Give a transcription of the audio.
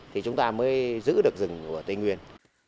thì chúng ta mới giữ được rừng của tây nguyên